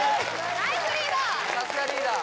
ナイスリーダー